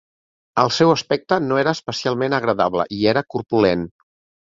El seu aspecte no era especialment agradable i era corpulent.